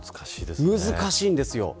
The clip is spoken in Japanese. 難しいんですよ。